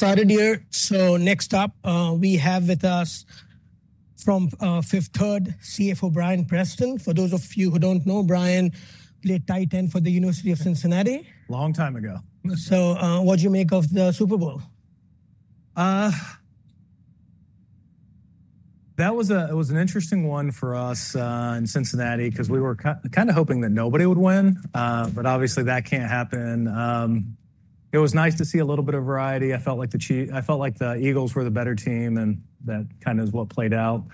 Started here. So next up, we have with us from Fifth Third, CFO Bryan Preston. For those of you who don't know, Bryan played tight end for the University of Cincinnati. Long time ago. So what did you make of the Super Bowl? That was an interesting one for us in Cincinnati because we were kind of hoping that nobody would win, but obviously that can't happen. It was nice to see a little bit of variety. I felt like the Eagles were the better team, and that kind of is what played out.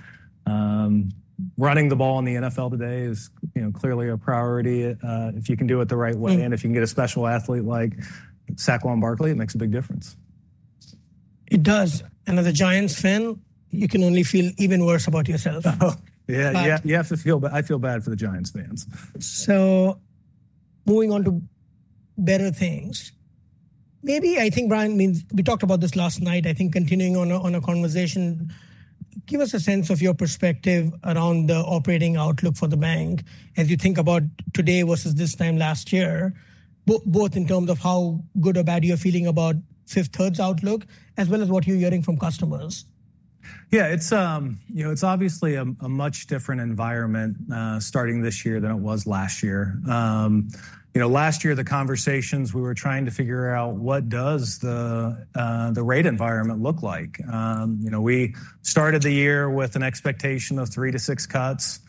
Running the ball in the NFL today is clearly a priority. If you can do it the right way and if you can get a special athlete like Saquon Barkley, it makes a big difference. It does. And as a Giants fan, you can only feel even worse about yourself. Yeah, you have to feel bad. I feel bad for the Giants fans. So, moving on to better things, Bryan. We talked about this last night, continuing on a conversation. Give us a sense of your perspective around the operating outlook for the bank as you think about today versus this time last year, both in terms of how good or bad you're feeling about Fifth Third's outlook as well as what you're hearing from customers. Yeah, it's obviously a much different environment starting this year than it was last year. Last year, the conversations we were trying to figure out what does the rate environment look like. We started the year with an expectation of three to six cuts.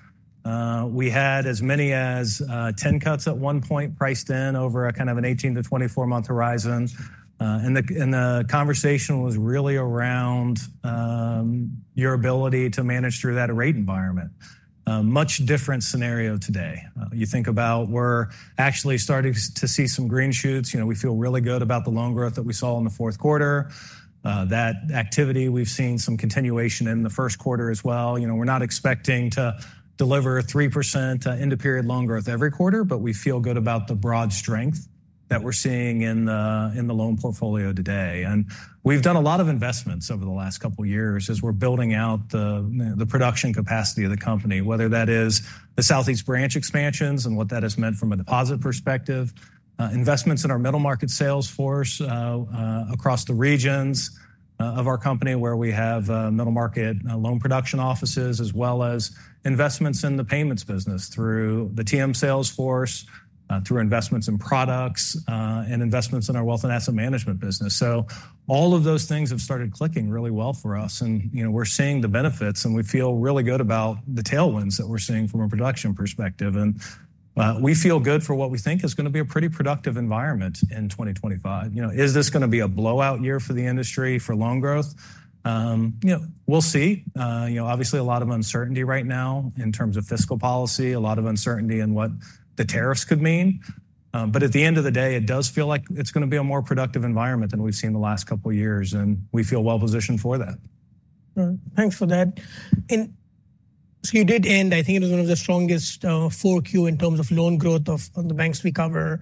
We had as many as 10 cuts at one point priced in over a kind of an 18- to 24-month horizon. And the conversation was really around your ability to manage through that rate environment. Much different scenario today. You think about we're actually starting to see some green shoots. We feel really good about the loan growth that we saw in the fourth quarter. That activity, we've seen some continuation in the first quarter as well. We're not expecting to deliver 3% end of period loan growth every quarter, but we feel good about the broad strength that we're seeing in the loan portfolio today, and we've done a lot of investments over the last couple of years as we're building out the production capacity of the company, whether that is the Southeast branch expansions and what that has meant from a deposit perspective, investments in our middle market sales force across the regions of our company where we have middle market loan production offices, as well as investments in the payments business through the TM sales force, through investments in products and investments in our wealth and asset management business, so all of those things have started clicking really well for us, and we're seeing the benefits and we feel really good about the tailwinds that we're seeing from a production perspective. We feel good for what we think is going to be a pretty productive environment in 2025. Is this going to be a blowout year for the industry for loan growth? We'll see. Obviously, a lot of uncertainty right now in terms of fiscal policy, a lot of uncertainty in what the tariffs could mean. But at the end of the day, it does feel like it's going to be a more productive environment than we've seen the last couple of years. We feel well positioned for that. Thanks for that. And so you did end, I think it was one of the strongest 4Q in terms of loan growth of the banks we cover.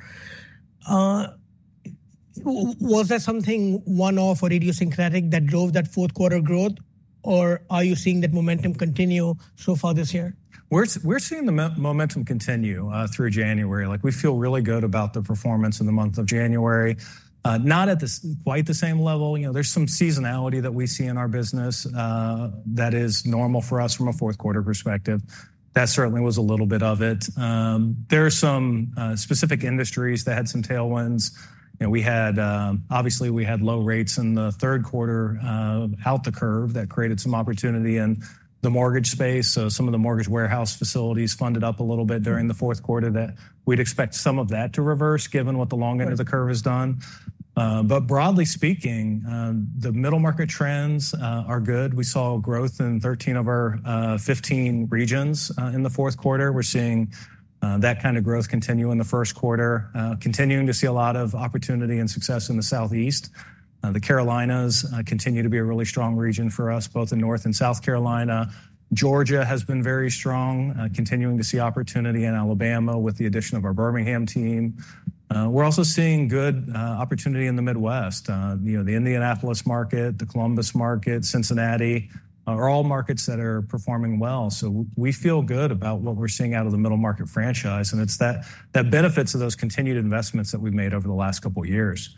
Was that something one-off or idiosyncratic that drove that fourth quarter growth, or are you seeing that momentum continue so far this year? We're seeing the momentum continue through January. We feel really good about the performance in the month of January, not at quite the same level. There's some seasonality that we see in our business that is normal for us from a fourth quarter perspective. That certainly was a little bit of it. There are some specific industries that had some tailwinds. Obviously, we had low rates in the third quarter out the curve that created some opportunity in the mortgage space. So some of the mortgage warehouse facilities funded up a little bit during the fourth quarter that we'd expect some of that to reverse given what the long end of the curve has done. But broadly speaking, the middle market trends are good. We saw growth in 13 of our 15 regions in the fourth quarter. We're seeing that kind of growth continue in the first quarter, continuing to see a lot of opportunity and success in the Southeast. The Carolinas continue to be a really strong region for us, both in North and South Carolina. Georgia has been very strong, continuing to see opportunity in Alabama with the addition of our Birmingham team. We're also seeing good opportunity in the Midwest, the Indianapolis market, the Columbus market, Cincinnati, are all markets that are performing well. So we feel good about what we're seeing out of the middle market franchise, and it's the benefits of those continued investments that we've made over the last couple of years,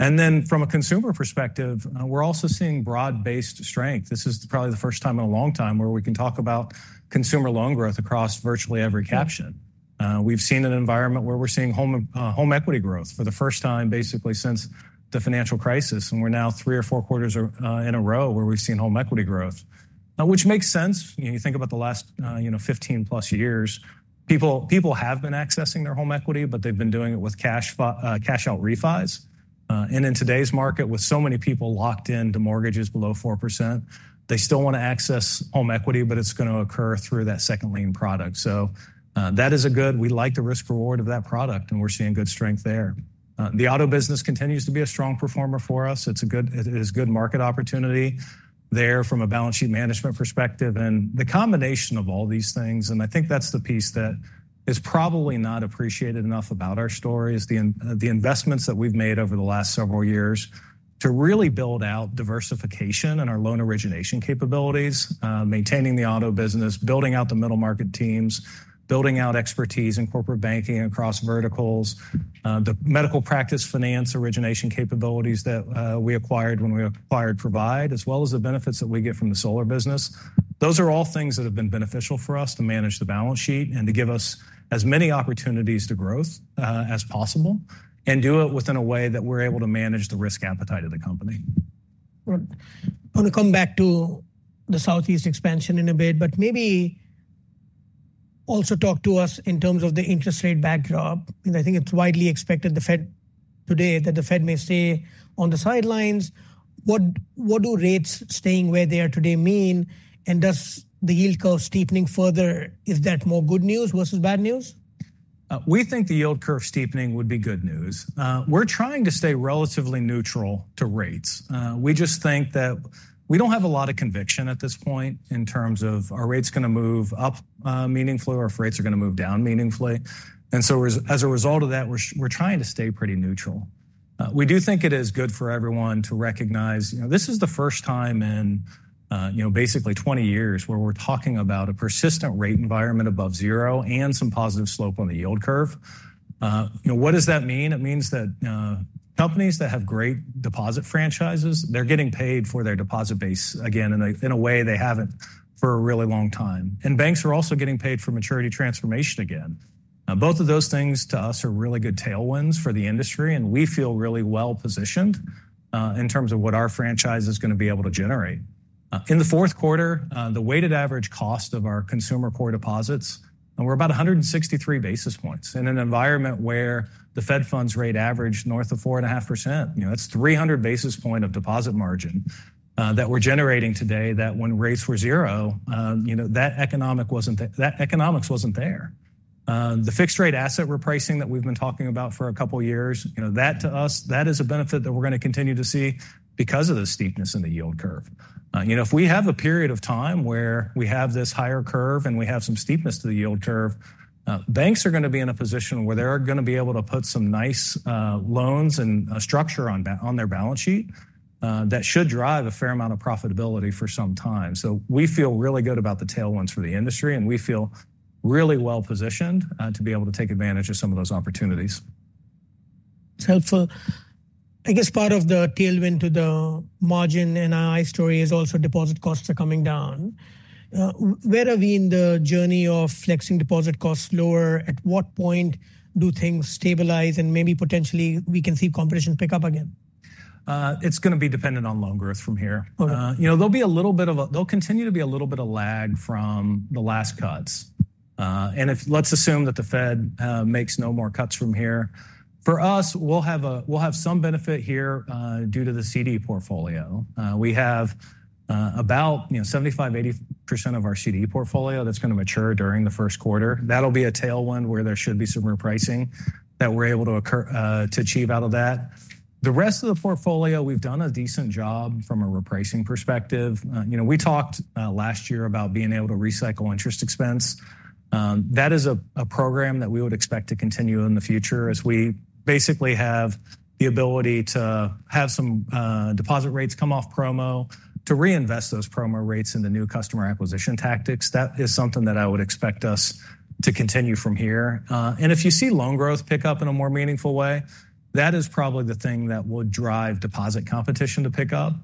and then from a consumer perspective, we're also seeing broad-based strength. This is probably the first time in a long time where we can talk about consumer loan growth across virtually every category. We've seen an environment where we're seeing home equity growth for the first time basically since the financial crisis. And we're now three or four quarters in a row where we've seen home equity growth, which makes sense. You think about the last 15 plus years, people have been accessing their home equity, but they've been doing it with cash out refis. And in today's market, with so many people locked into mortgages below 4%, they still want to access home equity, but it's going to occur through that second lien product. So that is a good, we like the risk reward of that product and we're seeing good strength there. The auto business continues to be a strong performer for us. It's a good market opportunity there from a balance sheet management perspective. And the combination of all these things, and I think that's the piece that is probably not appreciated enough about our story, is the investments that we've made over the last several years to really build out diversification in our loan origination capabilities, maintaining the auto business, building out the middle market teams, building out expertise in corporate banking across verticals, the medical practice finance origination capabilities that we acquired when we acquired Provide, as well as the benefits that we get from the solar business. Those are all things that have been beneficial for us to manage the balance sheet and to give us as many opportunities to growth as possible and do it within a way that we're able to manage the risk appetite of the company. I want to come back to the Southeast expansion in a bit, but maybe also talk to us in terms of the interest rate backdrop. I think it's widely expected today that the Fed may stay on the sidelines. What do rates staying where they are today mean? And does the yield curve steepening further, is that more good news versus bad news? We think the yield curve steepening would be good news. We're trying to stay relatively neutral to rates. We just think that we don't have a lot of conviction at this point in terms of are rates going to move up meaningfully or if rates are going to move down meaningfully. And so as a result of that, we're trying to stay pretty neutral. We do think it is good for everyone to recognize this is the first time in basically 20 years where we're talking about a persistent rate environment above zero and some positive slope on the yield curve. What does that mean? It means that companies that have great deposit franchises, they're getting paid for their deposit base again in a way they haven't for a really long time. And banks are also getting paid for maturity transformation again. Both of those things to us are really good tailwinds for the industry. And we feel really well positioned in terms of what our franchise is going to be able to generate. In the fourth quarter, the weighted average cost of our consumer core deposits, we're about 163 basis points in an environment where the Fed funds rate average north of 4.5%. That's 300 basis points of deposit margin that we're generating today that when rates were zero, that economics wasn't there. The fixed rate asset repricing that we've been talking about for a couple of years, that to us, that is a benefit that we're going to continue to see because of the steepness in the yield curve. If we have a period of time where we have this higher curve and we have some steepness to the yield curve, banks are going to be in a position where they're going to be able to put some nice loans and structure on their balance sheet that should drive a fair amount of profitability for some time. So we feel really good about the tailwinds for the industry and we feel really well positioned to be able to take advantage of some of those opportunities. It's helpful. I guess part of the tailwind to the margin and NII story is also deposit costs are coming down. Where are we in the journey of flexing deposit costs lower? At what point do things stabilize and maybe potentially we can see competition pick up again? It's going to be dependent on loan growth from here. There'll be a little bit of, there'll continue to be a little bit of lag from the last cuts, and if let's assume that the Fed makes no more cuts from here, for us, we'll have some benefit here due to the CD portfolio. We have about 75%-80% of our CD portfolio that's going to mature during the first quarter. That'll be a tailwind where there should be some repricing that we're able to achieve out of that. The rest of the portfolio, we've done a decent job from a repricing perspective. We talked last year about being able to recycle interest expense. That is a program that we would expect to continue in the future as we basically have the ability to have some deposit rates come off promo to reinvest those promo rates in the new customer acquisition tactics. That is something that I would expect us to continue from here. And if you see loan growth pick up in a more meaningful way, that is probably the thing that will drive deposit competition to pick up.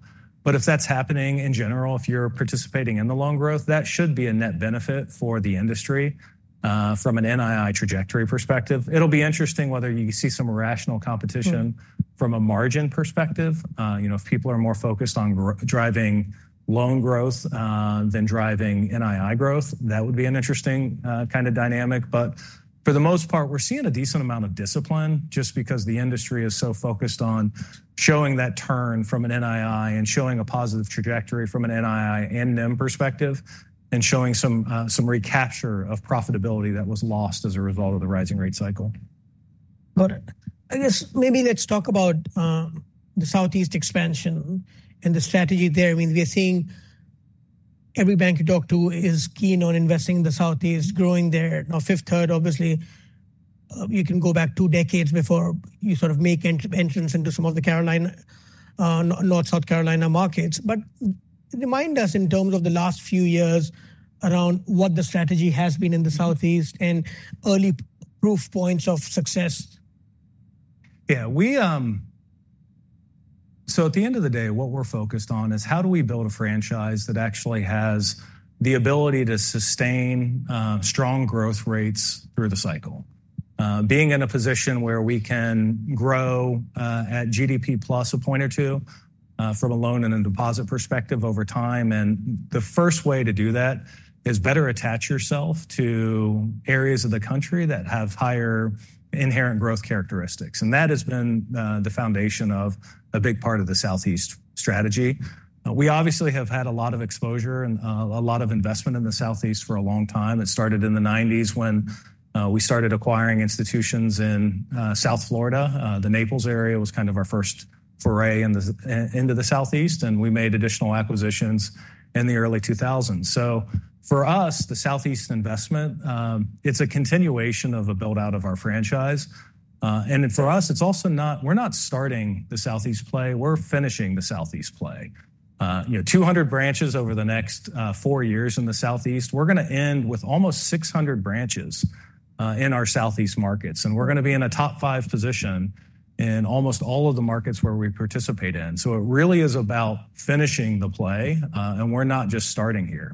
But if that's happening in general, if you're participating in the loan growth, that should be a net benefit for the industry from an NII trajectory perspective. It'll be interesting whether you see some rational competition from a margin perspective. If people are more focused on driving loan growth than driving NII growth, that would be an interesting kind of dynamic. But for the most part, we're seeing a decent amount of discipline just because the industry is so focused on showing that turn from an NII and showing a positive trajectory from an NII and NIM perspective and showing some recapture of profitability that was lost as a result of the rising rate cycle. Got it. I guess maybe let's talk about the Southeast expansion and the strategy there. I mean, we're seeing every bank you talk to is keen on investing in the Southeast, growing there. Now, Fifth Third, obviously, you can go back two decades before you sort of make entrance into some of the Carolinas, North and South Carolina markets. But remind us in terms of the last few years around what the strategy has been in the Southeast and early proof points of success. Yeah. So at the end of the day, what we're focused on is how do we build a franchise that actually has the ability to sustain strong growth rates through the cycle, being in a position where we can grow at GDP plus a point or two from a loan and a deposit perspective over time. And the first way to do that is better attach yourself to areas of the country that have higher inherent growth characteristics. And that has been the foundation of a big part of the Southeast strategy. We obviously have had a lot of exposure and a lot of investment in the Southeast for a long time. It started in the 1990s when we started acquiring institutions in South Florida. The Naples area was kind of our first foray into the Southeast. And we made additional acquisitions in the early 2000s. So for us, the Southeast investment, it's a continuation of a build out of our franchise. And for us, it's also not, we're not starting the Southeast play. We're finishing the Southeast play. 200 branches over the next four years in the Southeast. We're going to end with almost 600 branches in our Southeast markets. And we're going to be in a top five position in almost all of the markets where we participate in. So it really is about finishing the play. And we're not just starting here.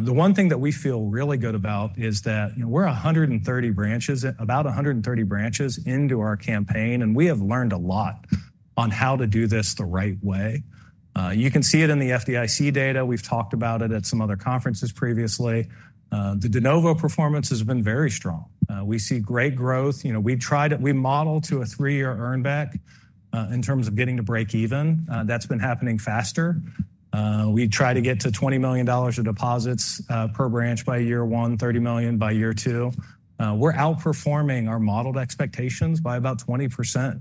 The one thing that we feel really good about is that we're 130 branches, about 130 branches into our campaign. And we have learned a lot on how to do this the right way. You can see it in the FDIC data. We've talked about it at some other conferences previously. The de novo performance has been very strong. We see great growth. We model to a three-year earnback in terms of getting to break even. That's been happening faster. We try to get to $20 million of deposits per branch by year one, $30 million by year two. We're outperforming our modeled expectations by about 20%.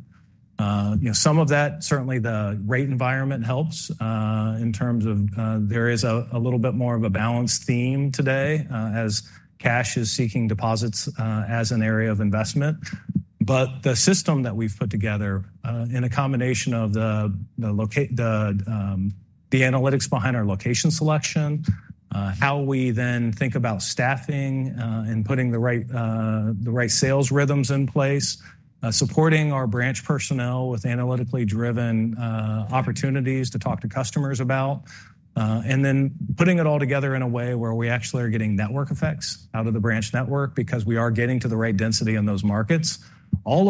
Some of that certainly the rate environment helps in terms of there is a little bit more of a balance theme today as cash is seeking deposits as an area of investment. But the system that we've put together in a combination of the analytics behind our location selection, how we then think about staffing and putting the right sales rhythms in place, supporting our branch personnel with analytically driven opportunities to talk to customers about, and then putting it all together in a way where we actually are getting network effects out of the branch network because we are getting to the right density in those markets. All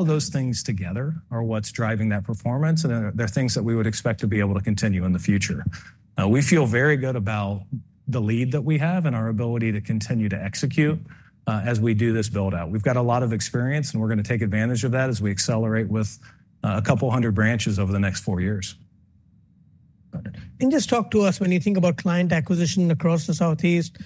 of those things together are what's driving that performance. And there are things that we would expect to be able to continue in the future. We feel very good about the lead that we have and our ability to continue to execute as we do this build out. We've got a lot of experience and we're going to take advantage of that as we accelerate with a couple hundred branches over the next four years. Just talk to us when you think about client acquisition across the Southeast.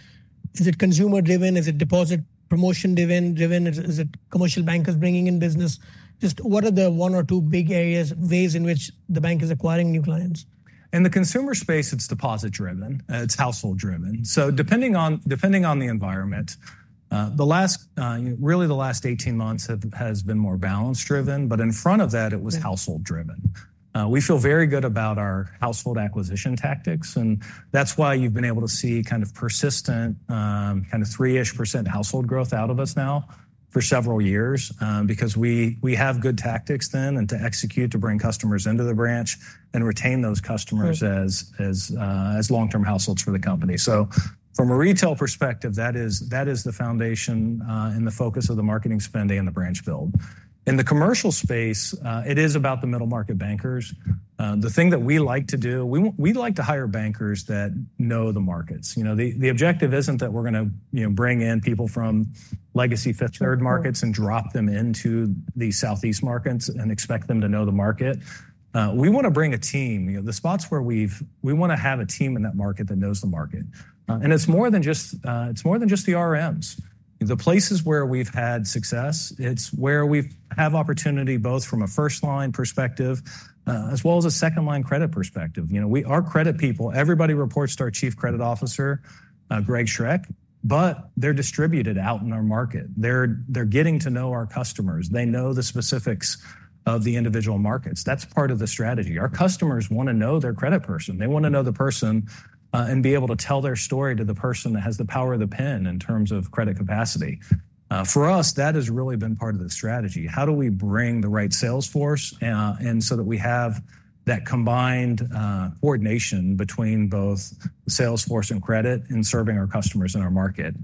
Is it consumer driven? Is it deposit promotion driven? Is it commercial bankers bringing in business? Just what are the one or two big areas, ways in which the bank is acquiring new clients? In the consumer space, it's deposit driven. It's household driven. So depending on the environment, really the last 18 months has been more balance driven. But in front of that, it was household driven. We feel very good about our household acquisition tactics. And that's why you've been able to see kind of persistent kind of three-ish% household growth out of us now for several years because we have good tactics then and to execute to bring customers into the branch and retain those customers as long-term households for the company. So from a retail perspective, that is the foundation and the focus of the marketing spending and the branch build. In the commercial space, it is about the middle market bankers. The thing that we like to do, we like to hire bankers that know the markets. The objective isn't that we're going to bring in people from legacy Fifth Third markets and drop them into the Southeast markets and expect them to know the market. We want to bring a team. The spots where we've, we want to have a team in that market that knows the market, and it's more than just the RMs. The places where we've had success, it's where we have opportunity both from a first line perspective as well as a second line credit perspective. Our credit people, everybody reports to our Chief Credit Officer, GregSchroeck, but they're distributed out in our market. They're getting to know our customers. They know the specifics of the individual markets. That's part of the strategy. Our customers want to know their credit person. They want to know the person and be able to tell their story to the person that has the power of the pen in terms of credit capacity. For us, that has really been part of the strategy. How do we bring the right sales force and so that we have that combined coordination between both sales force and credit and serving our customers in our market?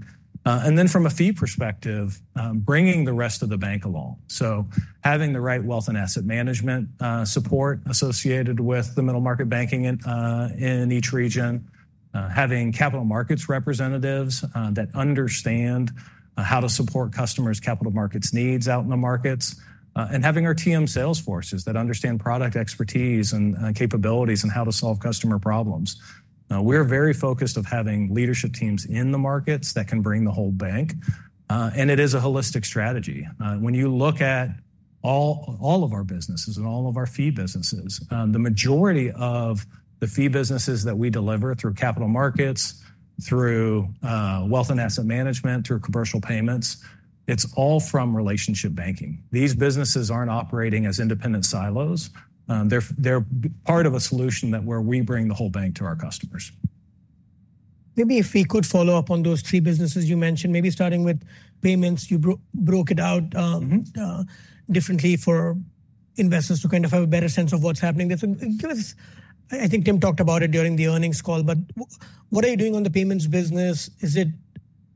And then from a fee perspective, bringing the rest of the bank along. So having the right wealth and asset management support associated with the middle market banking in each region, having capital markets representatives that understand how to support customers' capital markets needs out in the markets, and having our TM sales forces that understand product expertise and capabilities and how to solve customer problems. We're very focused on having leadership teams in the markets that can bring the whole bank. It is a holistic strategy. When you look at all of our businesses and all of our fee businesses, the majority of the fee businesses that we deliver through capital markets, through wealth and asset management, through commercial payments, it's all from relationship banking. These businesses aren't operating as independent silos. They're part of a solution where we bring the whole bank to our customers. Maybe if we could follow up on those three businesses you mentioned, maybe starting with payments, you broke it out differently for investors to kind of have a better sense of what's happening. I think Tim talked about it during the earnings call, but what are you doing on the payments business? Is it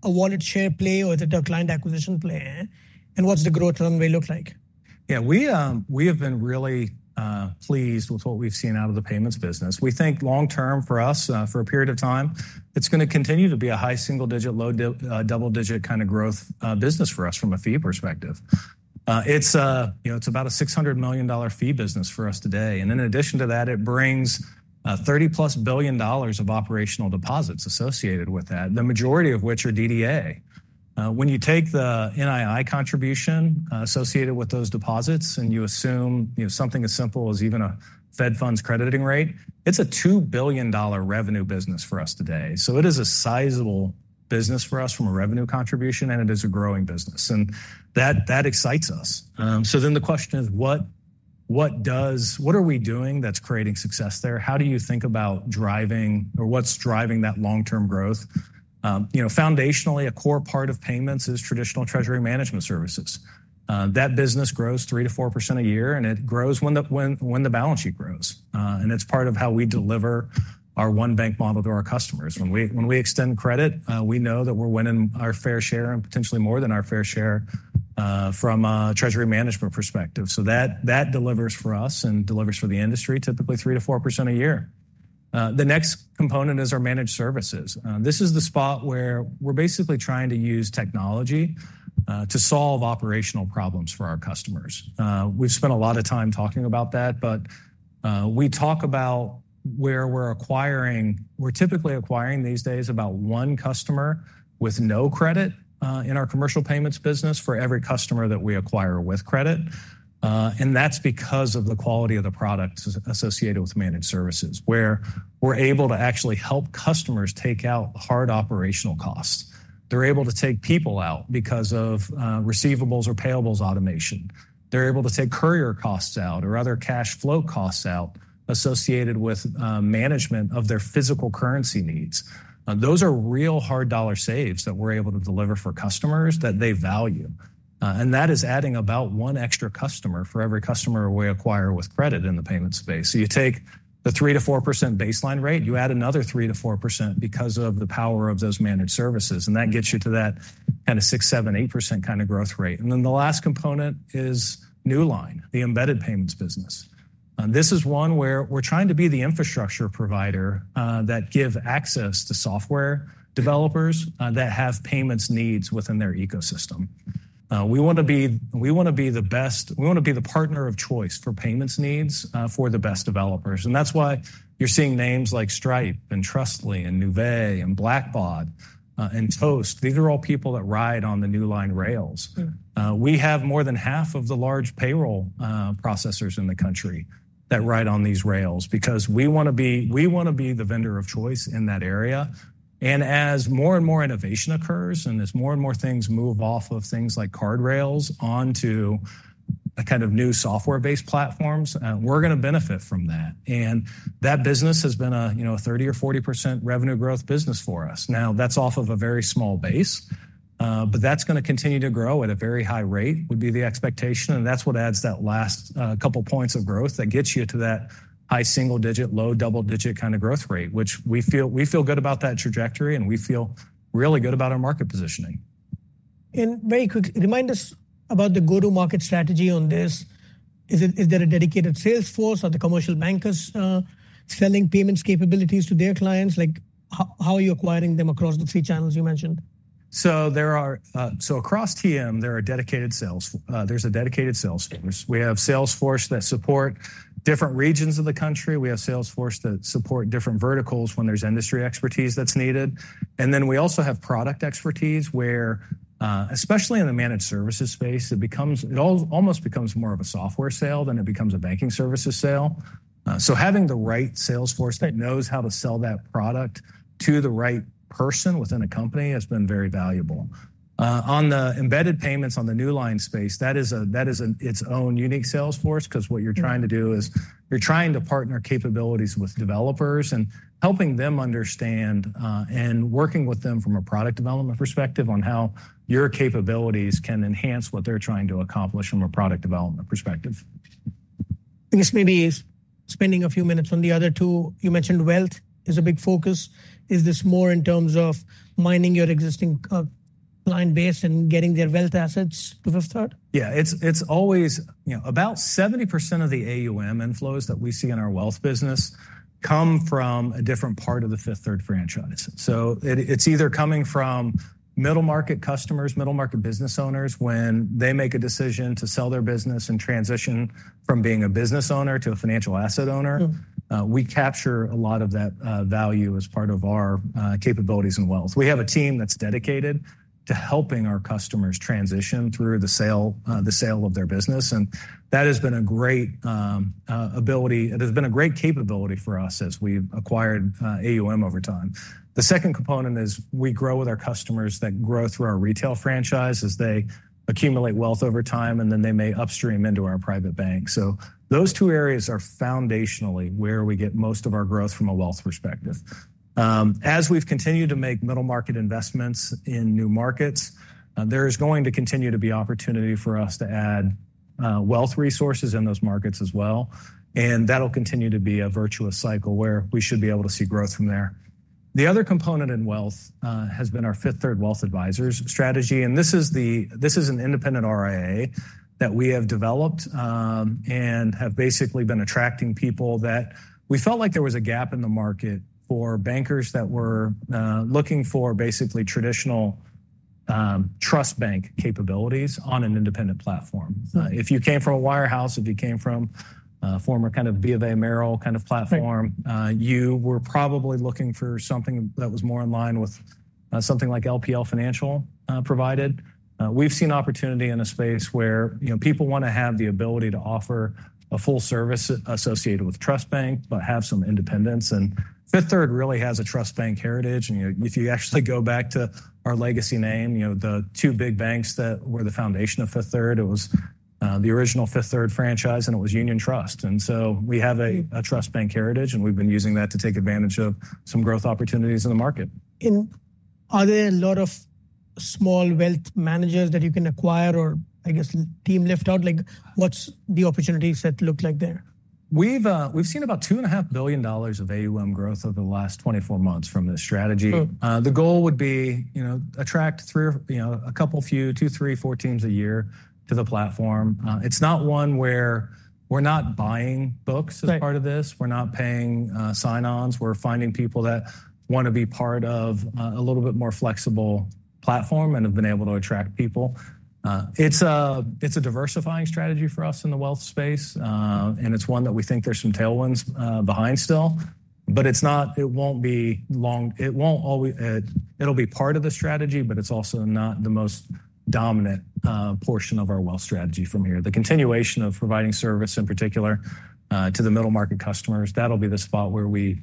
a wallet share play or is it a client acquisition play? And what's the growth runway look like? Yeah, we have been really pleased with what we've seen out of the payments business. We think long term for us, for a period of time, it's going to continue to be a high single digit, low double digit kind of growth business for us from a fee perspective. It's about a $600 million fee business for us today. And in addition to that, it brings $30-plus billion of operational deposits associated with that, the majority of which are DDA. When you take the NII contribution associated with those deposits and you assume something as simple as even a Fed funds crediting rate, it's a $2 billion revenue business for us today. So it is a sizable business for us from a revenue contribution and it is a growing business. And that excites us. So then the question is, what are we doing that's creating success there? How do you think about driving or what's driving that long-term growth? Foundationally, a core part of payments is traditional treasury management services. That business grows 3%-4% a year and it grows when the balance sheet grows, and it's part of how we deliver our one bank model to our customers. When we extend credit, we know that we're winning our fair share and potentially more than our fair share from a treasury management perspective, so that delivers for us and delivers for the industry typically 3%-4% a year. The next component is our managed services. This is the spot where we're basically trying to use technology to solve operational problems for our customers. We've spent a lot of time talking about that, but we talk about where we're acquiring. We're typically acquiring these days about one customer with no credit in our commercial payments business for every customer that we acquire with credit, and that's because of the quality of the products associated with managed services where we're able to actually help customers take out hard operational costs. They're able to take people out because of receivables or payables automation. They're able to take courier costs out or other cash flow costs out associated with management of their physical currency needs. Those are real hard dollar saves that we're able to deliver for customers that they value, and that is adding about one extra customer for every customer we acquire with credit in the payment space, so you take the 3%-4% baseline rate, you add another 3%-4% because of the power of those managed services. And that gets you to that kind of 6%-8% kind of growth rate. And then the last component is Newline, the embedded payments business. This is one where we're trying to be the infrastructure provider that gives access to software developers that have payments needs within their ecosystem. We want to be the best. We want to be the partner of choice for payments needs for the best developers. And that's why you're seeing names like Stripe and Trustly and Nuvei and Blackbaud and Toast. These are all people that ride on the Newline rails. We have more than half of the large payroll processors in the country that ride on these rails because we want to be the vendor of choice in that area. And as more and more innovation occurs and as more and more things move off of things like card rails onto kind of new software-based platforms, we're going to benefit from that. And that business has been a 30% or 40% revenue growth business for us. Now that's off of a very small base, but that's going to continue to grow at a very high rate would be the expectation. And that's what adds that last couple points of growth that gets you to that high single digit, low double digit kind of growth rate, which we feel good about that trajectory, and we feel really good about our market positioning. And very quick, remind us about the go-to-market strategy on this. Is there a dedicated sales force or the commercial bankers selling payments capabilities to their clients? How are you acquiring them across the three channels you mentioned? So across TM, there are dedicated sales forces. There's a dedicated sales force. We have sales forces that support different regions of the country. We have sales forces that support different verticals when there's industry expertise that's needed. And then we also have product expertise where, especially in the managed services space, it almost becomes more of a software sale than it becomes a banking services sale. So having the right sales force that knows how to sell that product to the right person within a company has been very valuable. On the embedded payments on the Newline space, that is its own unique sales force because what you're trying to do is you're trying to partner capabilities with developers and helping them understand and working with them from a product development perspective on how your capabilities can enhance what they're trying to accomplish from a product development perspective. I guess maybe spending a few minutes on the other two, you mentioned wealth is a big focus. Is this more in terms of mining your existing client base and getting their wealth assets to Fifth Third? Yeah, it's always about 70% of the AUM inflows that we see in our wealth business come from a different part of the Fifth Third franchise. So it's either coming from middle market customers, middle market business owners when they make a decision to sell their business and transition from being a business owner to a financial asset owner. We capture a lot of that value as part of our capabilities and wealth. We have a team that's dedicated to helping our customers transition through the sale of their business. And that has been a great ability. It has been a great capability for us as we've acquired AUM over time. The second component is we grow with our customers that grow through our retail franchise as they accumulate wealth over time and then they may upstream into our private bank. Those two areas are foundationally where we get most of our growth from a wealth perspective. As we've continued to make middle market investments in new markets, there is going to continue to be opportunity for us to add wealth resources in those markets as well. That'll continue to be a virtuous cycle where we should be able to see growth from there. The other component in wealth has been our Fifth Third Wealth Advisors strategy. This is an independent RIA that we have developed and have basically been attracting people that we felt like there was a gap in the market for bankers that were looking for basically traditional trust bank capabilities on an independent platform. If you came from a wirehouse, if you came from a former kind of B of A Merrill kind of platform, you were probably looking for something that was more in line with something like LPL Financial provided. We've seen opportunity in a space where people want to have the ability to offer a full service associated with trust bank, but have some independence, and Fifth Third really has a trust bank heritage, and if you actually go back to our legacy name, the two big banks that were the foundation of Fifth Third, it was the original Fifth Third franchise and it was Union Trust. And so we have a trust bank heritage and we've been using that to take advantage of some growth opportunities in the market. Are there a lot of small wealth managers that you can acquire or I guess team lift out? What's the opportunities that look like there? We've seen about $2.5 billion of AUM growth over the last 24 months from the strategy. The goal would be to attract a couple few, two, three, four teams a year to the platform. It's not one where we're not buying books as part of this. We're not paying sign-ons. We're finding people that want to be part of a little bit more flexible platform and have been able to attract people. It's a diversifying strategy for us in the wealth space. And it's one that we think there's some tailwinds behind still, but it won't be long. It'll be part of the strategy, but it's also not the most dominant portion of our wealth strategy from here. The continuation of providing service in particular to the middle market customers, that'll be the spot where we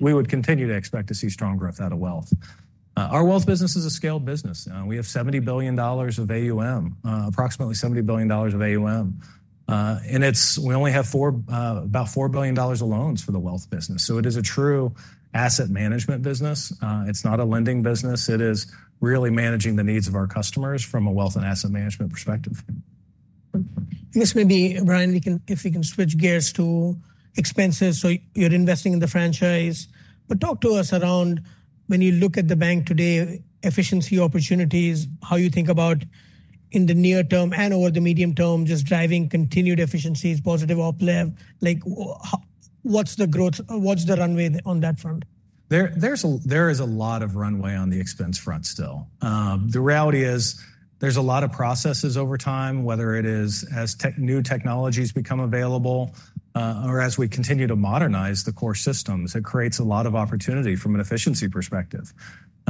would continue to expect to see strong growth out of wealth. Our wealth business is a scaled business. We have $70 billion of AUM, approximately $70 billion of AUM. And we only have about $4 billion of loans for the wealth business. So it is a true asset management business. It's not a lending business. It is really managing the needs of our customers from a wealth and asset management perspective. This may be around if we can switch gears to expenses. So you're investing in the franchise, but talk to us around when you look at the bank today, efficiency opportunities, how you think about in the near term and over the medium term, just driving continued efficiencies, positive uplift. What's the growth? What's the runway on that front? There is a lot of runway on the expense front still. The reality is there's a lot of processes over time, whether it is as new technologies become available or as we continue to modernize the core systems, it creates a lot of opportunity from an efficiency perspective.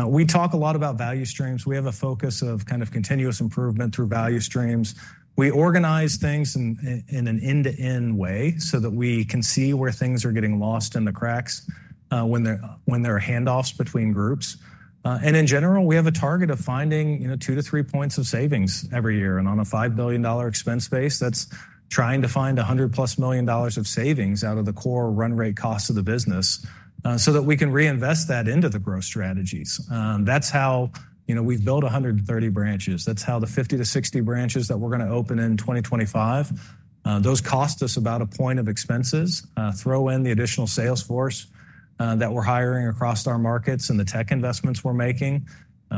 We talk a lot about value streams. We have a focus of kind of continuous improvement through value streams. We organize things in an end-to-end way so that we can see where things are getting lost in the cracks when there are handoffs between groups. And in general, we have a target of finding two to three points of savings every year. And on a $5 billion expense base, that's trying to find $100+ million of savings out of the core run rate costs of the business so that we can reinvest that into the growth strategies. That's how we've built 130 branches. That's how the 50 to 60 branches that we're going to open in 2025, those cost us about a point of expenses, throw in the additional sales force that we're hiring across our markets and the tech investments we're making.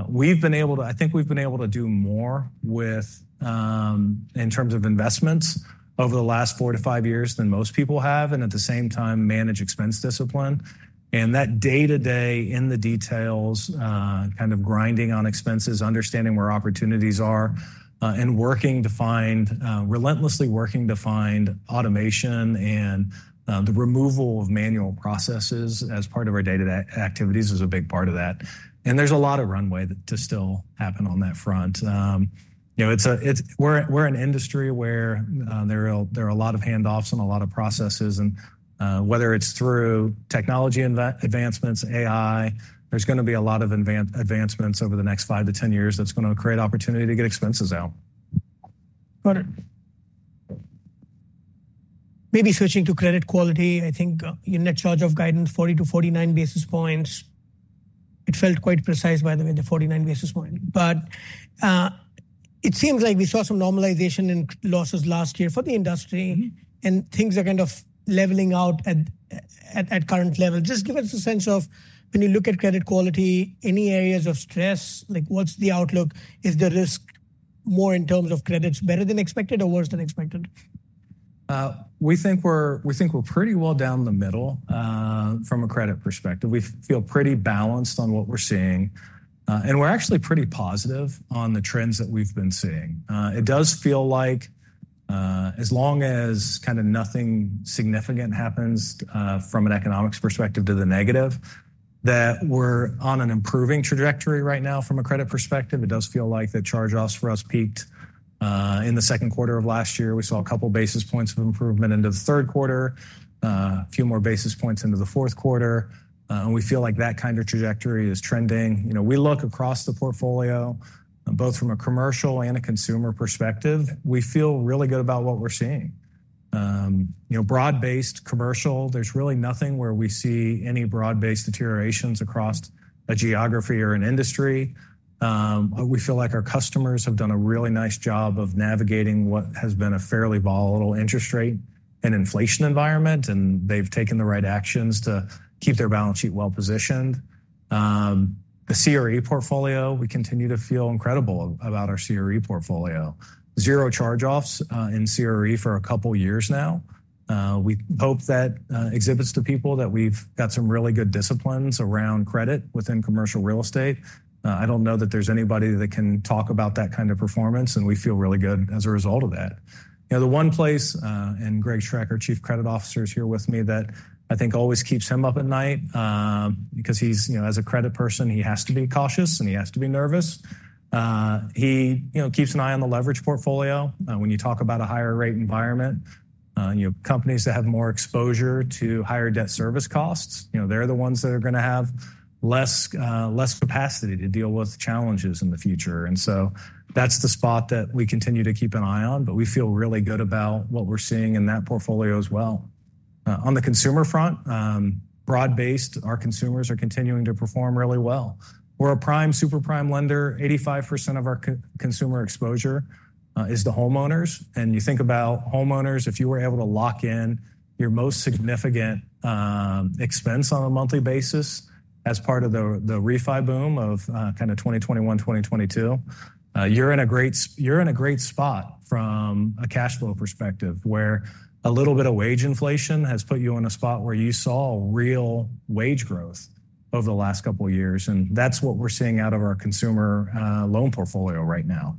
We've been able to, I think we've been able to do more in terms of investments over the last four to five years than most people have and at the same time manage expense discipline. And that day to day in the details, kind of grinding on expenses, understanding where opportunities are and working to find, relentlessly working to find automation and the removal of manual processes as part of our day-to-day activities is a big part of that. And there's a lot of runway to still happen on that front. We're an industry where there are a lot of handoffs and a lot of processes, and whether it's through technology advancements, AI, there's going to be a lot of advancements over the next five to 10 years that's going to create opportunity to get expenses out. Got it. Maybe switching to credit quality, I think you're in charge of guidance 40-49 basis points. It felt quite precise, by the way, the 49 basis points. But it seems like we saw some normalization in losses last year for the industry and things are kind of leveling out at current level. Just give us a sense of when you look at credit quality, any areas of stress, what's the outlook? Is the risk more in terms of credits better than expected or worse than expected? We think we're pretty well down the middle from a credit perspective. We feel pretty balanced on what we're seeing. And we're actually pretty positive on the trends that we've been seeing. It does feel like as long as kind of nothing significant happens from an economics perspective to the negative, that we're on an improving trajectory right now from a credit perspective. It does feel like that charge-offs for us peaked in the second quarter of last year. We saw a couple basis points of improvement into the third quarter, a few more basis points into the fourth quarter. And we feel like that kind of trajectory is trending. We look across the portfolio, both from a commercial and a consumer perspective, we feel really good about what we're seeing. Broad-based commercial, there's really nothing where we see any broad-based deteriorations across a geography or an industry. We feel like our customers have done a really nice job of navigating what has been a fairly volatile interest rate and inflation environment, and they've taken the right actions to keep their balance sheet well positioned. The CRE portfolio, we continue to feel incredible about our CRE portfolio. Zero charge-offs in CRE for a couple years now. We hope that exhibits to people that we've got some really good disciplines around credit within commercial real estate. I don't know that there's anybody that can talk about that kind of performance, and we feel really good as a result of that. The one place, and Greg Schroeck, our Chief Credit Officer is here with me, that I think always keeps him up at night because as a credit person, he has to be cautious and he has to be nervous. He keeps an eye on the leverage portfolio. When you talk about a higher rate environment, companies that have more exposure to higher debt service costs, they're the ones that are going to have less capacity to deal with challenges in the future. And so that's the spot that we continue to keep an eye on, but we feel really good about what we're seeing in that portfolio as well. On the consumer front, broad-based, our consumers are continuing to perform really well. We're a prime super prime lender. 85% of our consumer exposure is to homeowners. And you think about homeowners, if you were able to lock in your most significant expense on a monthly basis as part of the refi boom of kind of 2021, 2022, you're in a great spot from a cash flow perspective where a little bit of wage inflation has put you in a spot where you saw real wage growth over the last couple of years. And that's what we're seeing out of our consumer loan portfolio right now.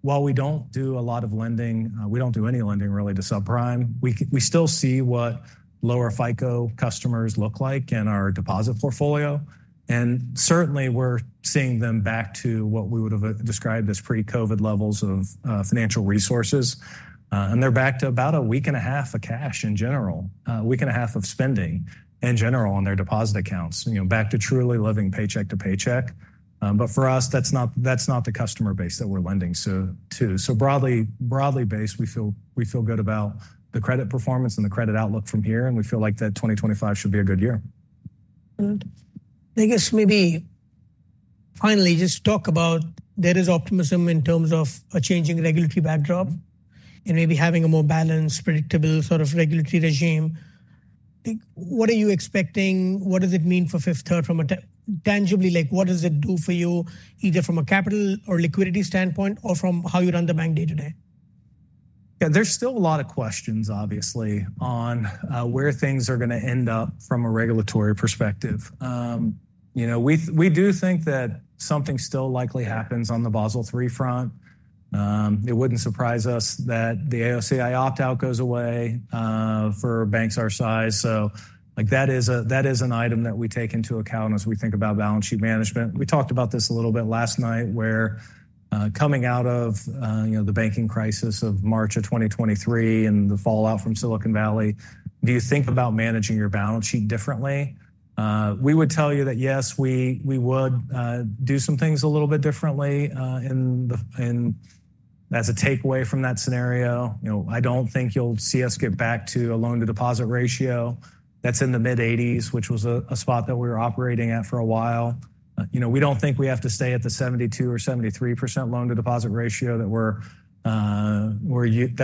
While we don't do a lot of lending, we don't do any lending really to subprime, we still see what lower FICO customers look like in our deposit portfolio. And certainly we're seeing them back to what we would have described as pre-COVID levels of financial resources. And they're back to about a week and a half of cash in general, a week and a half of spending in general on their deposit accounts, back to truly living paycheck to paycheck. But for us, that's not the customer base that we're lending to. So broadly based, we feel good about the credit performance and the credit outlook from here, and we feel like that 2025 should be a good year. I guess maybe finally just talk about there is optimism in terms of a changing regulatory backdrop and maybe having a more balanced, predictable sort of regulatory regime. What are you expecting? What does it mean for Fifth Third from a tangibly? What does it do for you either from a capital or liquidity standpoint or from how you run the bank day to day? Yeah, there's still a lot of questions, obviously, on where things are going to end up from a regulatory perspective. We do think that something still likely happens on the Basel III front. It wouldn't surprise us that the AOCI opt-out goes away for banks our size. So that is an item that we take into account as we think about balance sheet management. We talked about this a little bit last night where coming out of the banking crisis of March of 2023 and the fallout from Silicon Valley, do you think about managing your balance sheet differently? We would tell you that yes, we would do some things a little bit differently as a takeaway from that scenario. I don't think you'll see us get back to a loan-to-deposit ratio that's in the mid-80s, which was a spot that we were operating at for a while. We don't think we have to stay at the 72% or 73% loan-to-deposit ratio that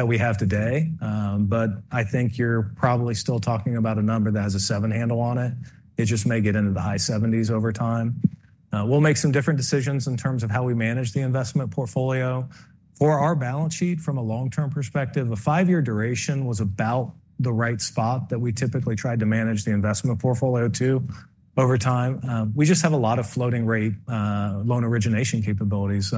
we have today. But I think you're probably still talking about a number that has a seven handle on it. It just may get into the high 70s over time. We'll make some different decisions in terms of how we manage the investment portfolio. For our balance sheet, from a long-term perspective, a five-year duration was about the right spot that we typically tried to manage the investment portfolio to over time. We just have a lot of floating rate loan origination capabilities.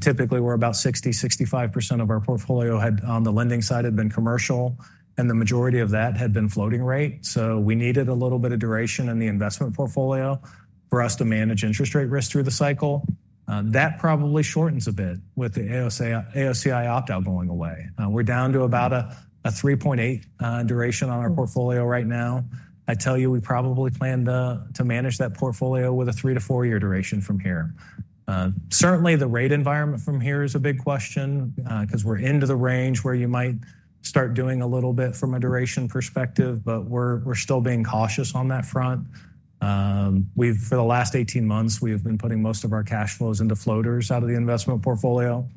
Typically, we're about 60-65% of our portfolio on the lending side had been commercial, and the majority of that had been floating rate. So we needed a little bit of duration in the investment portfolio for us to manage interest rate risk through the cycle. That probably shortens a bit with the AOCI opt-out going away. We're down to about a 3.8 duration on our portfolio right now. I tell you, we probably plan to manage that portfolio with a three- to four-year duration from here. Certainly, the rate environment from here is a big question because we're into the range where you might start doing a little bit from a duration perspective, but we're still being cautious on that front. For the last 18 months, we have been putting most of our cash flows into floaters out of the investment portfolio.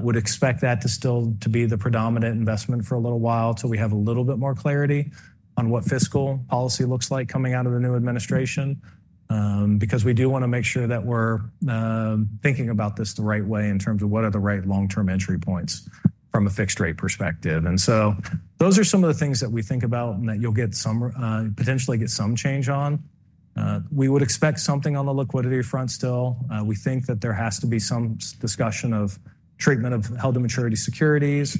Would expect that to still be the predominant investment for a little while until we have a little bit more clarity on what fiscal policy looks like coming out of the new administration because we do want to make sure that we're thinking about this the right way in terms of what are the right long-term entry points from a fixed rate perspective. And so those are some of the things that we think about and that you'll potentially get some change on. We would expect something on the liquidity front still. We think that there has to be some discussion of treatment of held-to-maturity securities.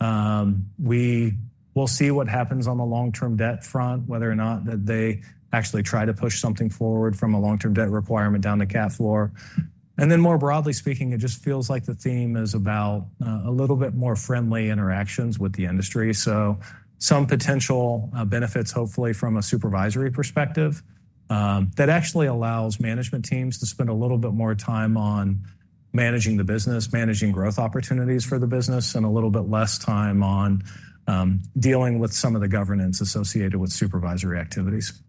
We will see what happens on the long-term debt front, whether or not they actually try to push something forward from a long-term debt requirement down to Cat IV. And then more broadly speaking, it just feels like the theme is about a little bit more friendly interactions with the industry. So some potential benefits, hopefully from a supervisory perspective, that actually allows management teams to spend a little bit more time on managing the business, managing growth opportunities for the business, and a little bit less time on dealing with some of the governance associated with supervisory activities.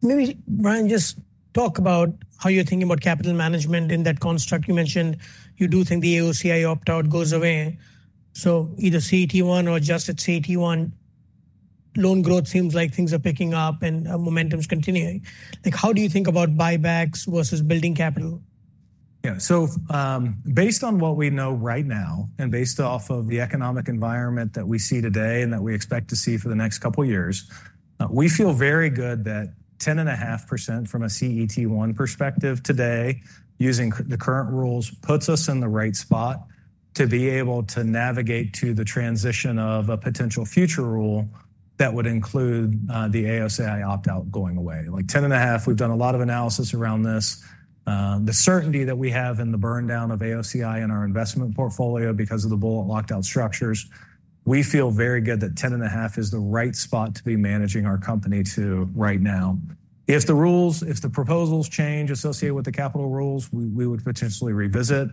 Maybe Bryan, just talk about how you're thinking about capital management in that construct. You mentioned you do think the AOCI opt-out goes away. So either C&I or adjusted C&I loan growth seems like things are picking up and momentum is continuing. How do you think about buybacks versus building capital? Yeah, so based on what we know right now and based off of the economic environment that we see today and that we expect to see for the next couple of years, we feel very good that 10.5% from a CET1 perspective today, using the current rules, puts us in the right spot to be able to navigate to the transition of a potential future rule that would include the AOCI opt-out going away. Like 10.5%, we've done a lot of analysis around this. The certainty that we have in the burndown of AOCI in our investment portfolio because of the bullet locked-out structures, we feel very good that 10.5% is the right spot to be managing our company to right now. If the rules, if the proposals change associated with the capital rules, we would potentially revisit.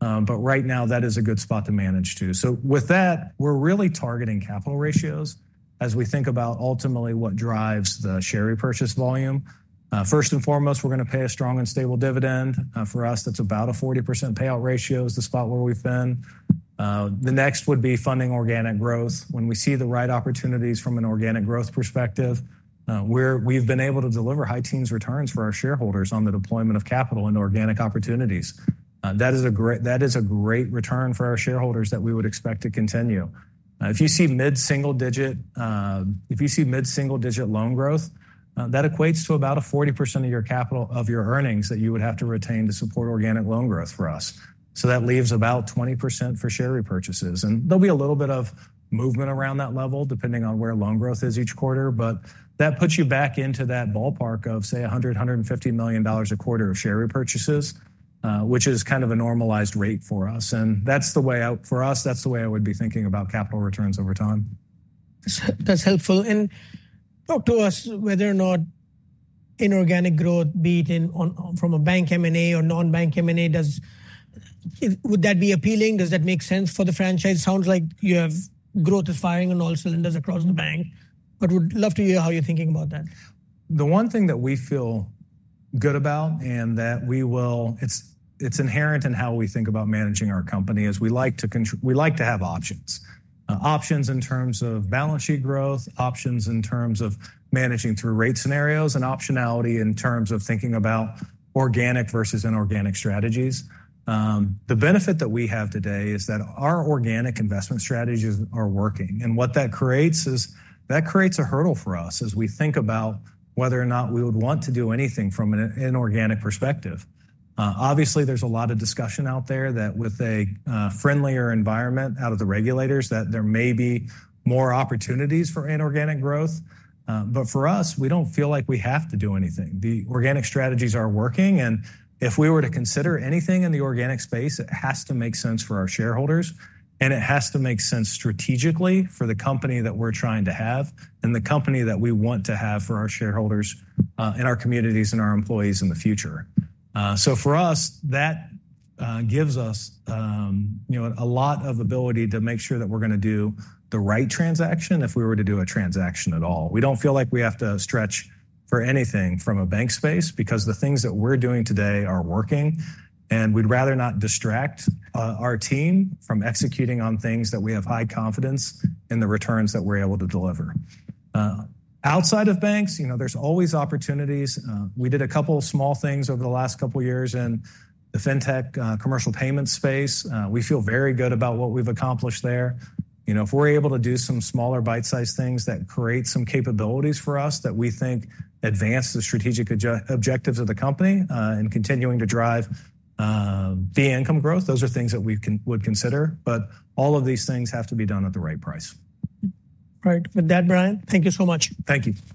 But right now, that is a good spot to manage to. So with that, we're really targeting capital ratios as we think about ultimately what drives the share repurchase volume. First and foremost, we're going to pay a strong and stable dividend. For us, that's about a 40% payout ratio is the spot where we've been. The next would be funding organic growth. When we see the right opportunities from an organic growth perspective, we've been able to deliver high teens returns for our shareholders on the deployment of capital and organic opportunities. That is a great return for our shareholders that we would expect to continue. If you see mid-single digit, if you see mid-single digit loan growth, that equates to about a 40% of your capital of your earnings that you would have to retain to support organic loan growth for us. So that leaves about 20% for share repurchases. There'll be a little bit of movement around that level depending on where loan growth is each quarter. That puts you back into that ballpark of, say, $100 million-$150 million a quarter of share repurchases, which is kind of a normalized rate for us. That's the way out for us. That's the way I would be thinking about capital returns over time. That's helpful, and talk to us whether or not inorganic growth, be it from a bank M&A or non-bank M&A. Would that be appealing? Does that make sense for the franchise? Sounds like your growth is firing on all cylinders across the bank, but would love to hear how you're thinking about that. The one thing that we feel good about and that we will, it's inherent in how we think about managing our company, is we like to have options. Options in terms of balance sheet growth, options in terms of managing through rate scenarios, and optionality in terms of thinking about organic versus inorganic strategies. The benefit that we have today is that our organic investment strategies are working. And what that creates is a hurdle for us as we think about whether or not we would want to do anything from an inorganic perspective. Obviously, there's a lot of discussion out there that with a friendlier environment out of the regulators, that there may be more opportunities for inorganic growth. But for us, we don't feel like we have to do anything. The organic strategies are working. And if we were to consider anything in the organic space, it has to make sense for our shareholders, and it has to make sense strategically for the company that we're trying to have and the company that we want to have for our shareholders and our communities and our employees in the future. So for us, that gives us a lot of ability to make sure that we're going to do the right transaction if we were to do a transaction at all. We don't feel like we have to stretch for anything from a bank space because the things that we're doing today are working, and we'd rather not distract our team from executing on things that we have high confidence in the returns that we're able to deliver. Outside of banks, there's always opportunities. We did a couple of small things over the last couple of years in the fintech commercial payment space. We feel very good about what we've accomplished there. If we're able to do some smaller bite-sized things that create some capabilities for us that we think advance the strategic objectives of the company and continuing to drive the income growth, those are things that we would consider. But all of these things have to be done at the right price. All right. With that, Bryan, thank you so much. Thank you.